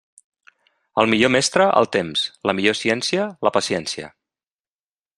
El millor mestre, el temps; la millor ciència, la paciència.